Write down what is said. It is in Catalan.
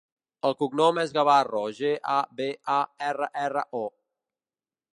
El cognom és Gabarro: ge, a, be, a, erra, erra, o.